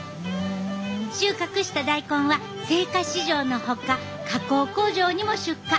収穫した大根は青果市場のほか加工工場にも出荷！